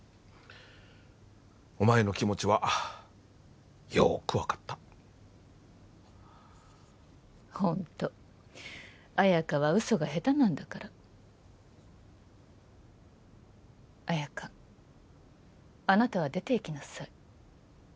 お前の気持ちはよく分かったホント綾華は嘘が下手なんだから綾華あなたは出ていきなさい